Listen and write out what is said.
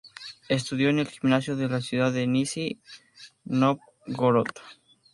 Estudió en el gimnasio de la ciudad de Nizhny Novgorod.